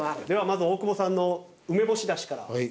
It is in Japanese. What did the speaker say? まず大久保さんの梅干しダシから。